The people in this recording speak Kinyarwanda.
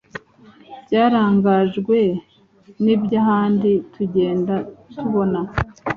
byaraganjwe n’iby’ahandi tugenda tubona